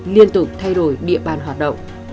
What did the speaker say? liên tục thay đổi địa bàn hoạt động